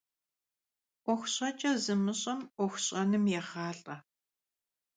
'uexu ş'eç'e zımış'er 'uexu ş'enım yêğalh'e.